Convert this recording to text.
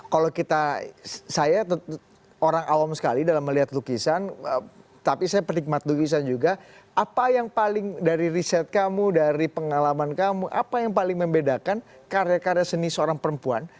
kalau kita saya orang awam sekali dalam melihat lukisan tapi saya penikmat lukisan juga apa yang paling dari riset kamu dari pengalaman kamu apa yang paling membedakan karya karya seni seorang perempuan